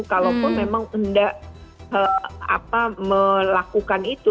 kalaupun memang tidak melakukan itu